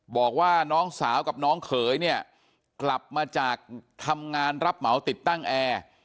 บอกว่าน้องสาวกับน้องเขยเนี่ยกลับมาจากทำงานรับเหมาติดตั้งแอร์